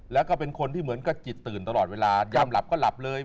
แล้วก็เป็นคนที่เหมือนก็จิตตื่นตลอดเวลายามหลับก็หลับเลย